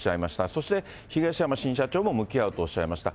そして東山新社長も向き合うとおっしゃいました。